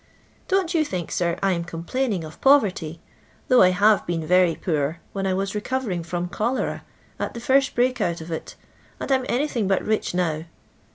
Don*t yon think, lir, I 'm complaining of poverty ; though I have been ver}' poor, when I was recovering from cholera at the firtt bre.ik out of it, and I 'm nnytliing but rich now.